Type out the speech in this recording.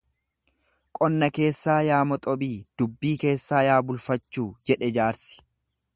Qonna keessaa yaa moxobii, dubbii keessaa yaa bulfachuu jedhe jaarsi.